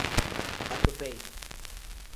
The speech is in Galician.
Atopei.